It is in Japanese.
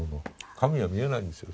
神は見えないんですよ。